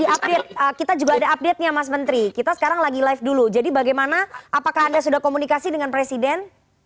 di update kita juga ada update nya mas menteri kita sekarang lagi live dulu jadi bagaimana apakah anda sudah komunikasi dengan presiden